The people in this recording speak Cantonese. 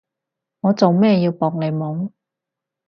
我做咩要搏你懵？